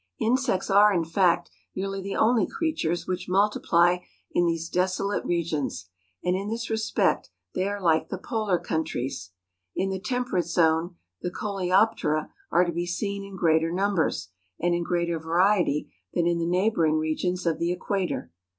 Insects are, in fact, nearly the only creatures which multiply in these desolate regions; and in this respect they are like the Polar countries. In the temperate zone the coleoptera are to be seen in greater numbers and in greater variety than in the neighbouring regions of the Equator.